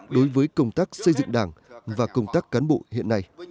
đối với công tác xây dựng đảng và công tác cán bộ hiện nay